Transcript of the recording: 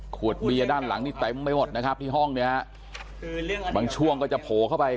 ขวดเบียร์ด้านหลังนี่เต็มไปหมดนะครับที่ห้องเนี่ยฮะบางช่วงก็จะโผล่เข้าไป